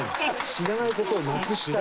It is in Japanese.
知らない事をなくしたい？